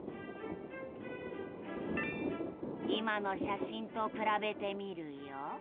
今の写真と比べてみるよ。